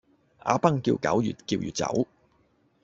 阿崩叫狗越叫越走